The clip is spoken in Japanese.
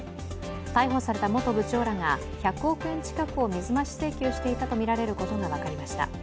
逮捕された元部長らが１００億円近くを水増し請求していたとみられることが分かりました。